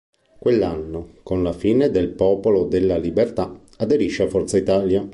Quell'anno, con la fine del Popolo della Libertà, aderisce a Forza Italia.